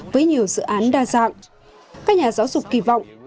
với nhiều dự án đa dạng các nhà giáo dục kỳ vọng